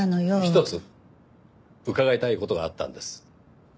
ひとつ伺いたい事があったんです。